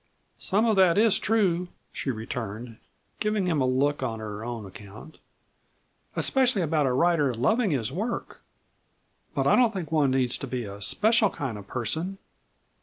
"Some of that is true," she returned, giving him a look on her own account; "especially about a writer loving his work. But I don't think one needs to be a 'special' kind of person.